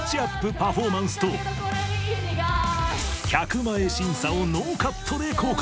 パフォーマンスと客前審査をノーカットで公開